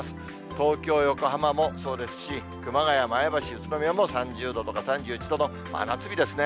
東京、横浜もそうですし、熊谷、前橋、宇都宮も３０度とか、３１度の真夏日ですね。